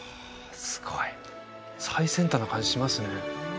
すごい最先端な感じしますね